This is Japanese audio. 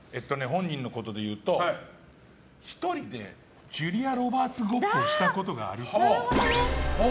本人のことでいうと１人でジュリア・ロバーツごっこをしたことがあるっぽい。